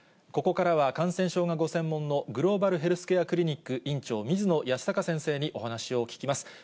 ここからは感染症がご専門の、グローバルヘルスケアクリニック院長、水野泰孝先生にお話を聞きます。